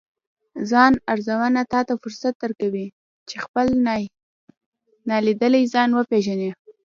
ځان ارزونه تاته فرصت درکوي، چې خپل نالیدلی ځان وپیژنې